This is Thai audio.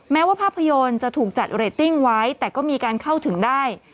แม้ว่าภาพยนตร์จะถูกจัดเรตติ้งไว้แต่ก็มีการเข้าถึงได้